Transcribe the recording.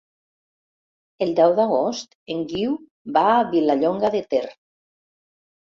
El deu d'agost en Guiu va a Vilallonga de Ter.